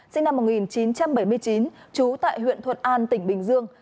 sinh năm một nghìn chín trăm bảy mươi chín trú tại huyện thuận an tỉnh bình dương